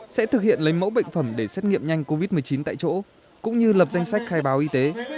sẽ thực hiện lấy mẫu bệnh phẩm để xét nghiệm nhanh covid một mươi chín tại chỗ cũng như lập danh sách khai báo y tế